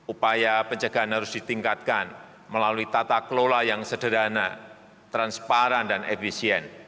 upaya pencegahan harus ditingkatkan melalui tata kelola yang sederhana transparan dan efisien